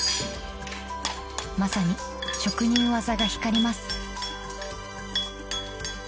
まさに職人技が光ります